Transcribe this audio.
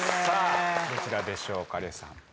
さあどちらでしょうか有吉さん。